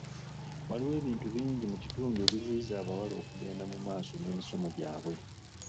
Waliwo ebintu bingi mu kitundu ebiziyiza abawala okugenda mu maaso n'emisomo gyabwe.